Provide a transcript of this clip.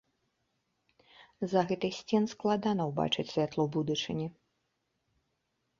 З-за гэтых сцен складана ўбачыць святло будучыні.